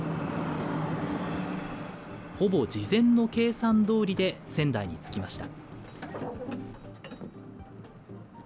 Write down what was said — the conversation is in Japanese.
ほぼ事前の計算どおりで仙台に着きました。